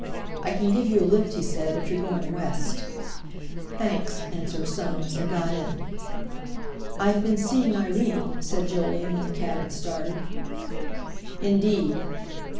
"I can give you a lift," he said, "if you're going West." "Thanks," answered Soames, and got in. "I've been seeing Irene," said Jolyon when the cab had started. "Indeed!"